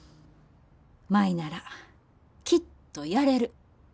舞ならきっとやれる。